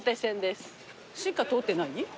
しか通ってない？